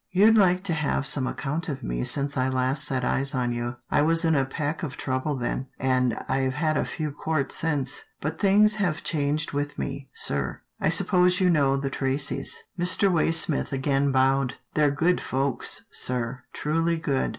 " You'd like to have some account of me since I last set eyes on you. I was in a peck of trouble then, and I've had a few quarts since, but things have changed with me, sir — I suppose you know the Tracys?" 58 'TILDA JANE'S ORPHANS Mr. Waysmith again bowed. " They're good folks, sir, truly good.